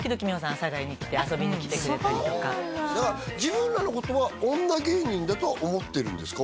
阿佐ヶ谷に来て遊びにきてくれたりとか自分らのことは女芸人だとは思ってるんですか？